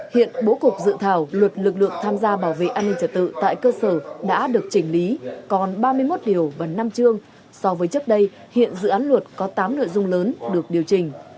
hiện bố cục dự thảo luật lực lượng tham gia bảo vệ an ninh trả tự tại cơ sở đã được chỉnh lý còn ba mươi một điều và năm chương so với trước đây hiện dự án luật có tám nội dung lớn được điều chỉnh